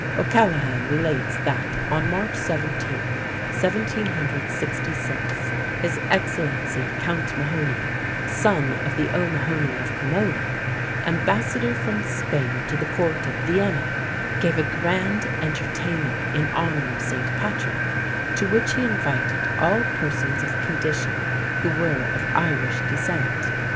O'Callaghan relates that on March 17, 1766, His Excellency Count Mahony (son of the O'Mahony of Cremona), ambassador from Spain to the court of Vienna, gave a grand entertainment in honor of St. Patrick, to which he invited all persons of condition who were of Irish descent.